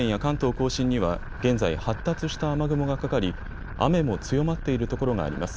甲信には、現在発達した雨雲がかかり雨も強まっている所があります。